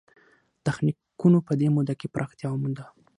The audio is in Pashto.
تخنیکونو په دې موده کې پراختیا ومونده.